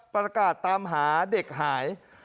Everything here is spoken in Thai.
ประกาศตามหาเด็กหาย